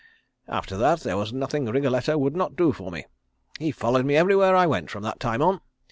After that there was nothing Wriggletto would not do for me. He followed me everywhere I went from that time on.